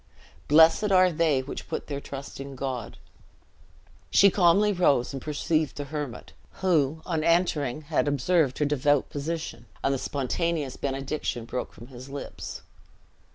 "Blessed are they which put their trust in God!" She calmly rose, and perceived the hermit; who, on entering, had observed her devout position, and the spontaneous benediction broke from his lips.